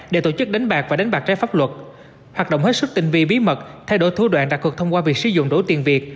để tổ chức đánh bạc và đánh bạc trái pháp luật hoạt động hết sức tinh vi bí mật thay đổi thú đoạn đặc thuật thông qua việc sử dụng đổi tiền việt